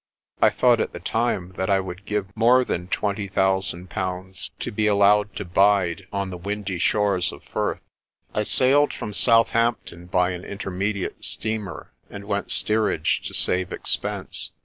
I thought at the time that I would give more than twenty thousand pounds to be allowed to bide on the windy shores of Furth. I sailed from Southampton by an intermediate steamer, and went steerage to save expense.